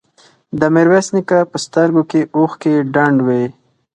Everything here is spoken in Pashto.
د ميرويس نيکه په سترګو کې اوښکې ډنډ وې.